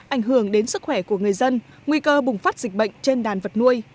ảnh hưởng đến sức khỏe của người dân nguy cơ bùng phát dịch bệnh trên đàn vật nuôi